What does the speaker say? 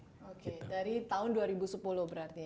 oke dari tahun dua ribu sepuluh berarti ya